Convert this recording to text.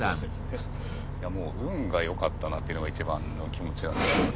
いやもう運が良かったなっていうのが一番の気持ちなんですけど。